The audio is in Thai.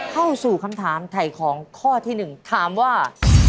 เข้าสู่คำถามไถ่ของข้อที่หนึ่งถามว่า